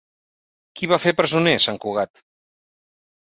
Qui va fer presoner sant Cugat?